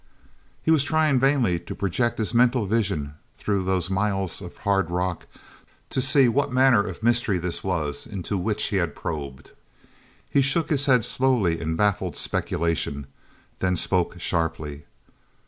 He was trying vainly to project his mental vision through those miles of hard rock to see what manner of mystery this was into which he had probed. He shook his head slowly in baffled speculation, then spoke sharply.